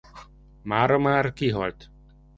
Mára már kihalt.